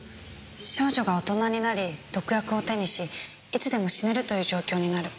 少女が大人になり毒薬を手にしいつでも死ねるという状況になる。